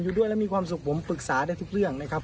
อยู่ด้วยแล้วมีความสุขผมปรึกษาได้ทุกเรื่องนะครับ